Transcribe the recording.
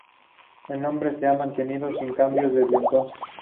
El nombre se ha mantenido sin cambios desde entonces.